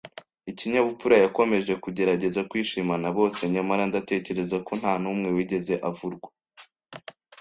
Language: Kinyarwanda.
ikinyabupfura yakomeje kugerageza kwishima na bose. Nyamara, ndatekereza ko ntanumwe wigeze avurwa